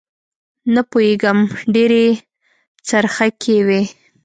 نه پوېېږم ډېرې څرخکې وې.